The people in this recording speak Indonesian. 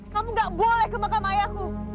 kamu gak boleh ke makam ayahku